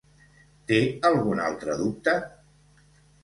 Té algun altre dubte?